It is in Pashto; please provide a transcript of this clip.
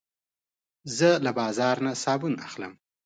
زه له بازار نه صابون اخلم.